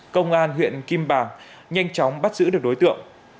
công an huyện kim bàng nhanh chóng bắt giữ được đối tượng